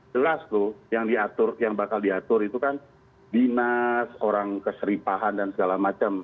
jelas tuh yang bakal diatur itu kan dinas orang keseripahan dan segala macam